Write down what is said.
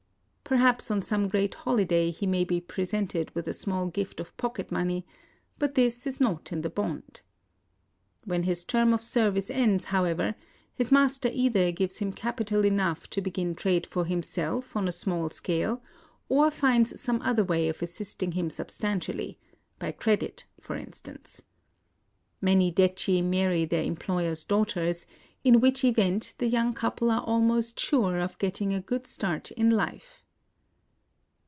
Perhaps on some great holiday he may be presented with a small gift of pocket money ;— but this is not in the bond. When his term of service ends, however, his master either gives him capital enough to begin trade for himself on a small scale, or finds some other way of assist ing him substantially, — by credit, for instance. Many detchi marry their employers' daughters, in which event the young couple are almost sure of getting a good start in life.